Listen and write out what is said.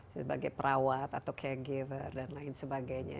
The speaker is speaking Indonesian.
sebagai perawat atau caregiver dan lain sebagainya